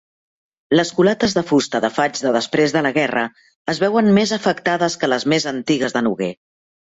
Les culates de fusta de faig de després de la guerra es veuen més afectades que les més antigues de noguer.